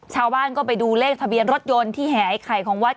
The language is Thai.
ชาวบ้านก็ไปดูเลขทะเบียนรถยนต์ที่แหไอ้ไข่ของวัด